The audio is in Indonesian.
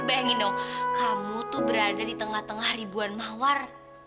bayangin dong kamu tuh berada di tengah tengah ribuan mawar